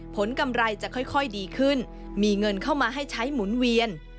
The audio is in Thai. กำไรจะค่อยดีขึ้นมีเงินเข้ามาให้ใช้หมุนเวียน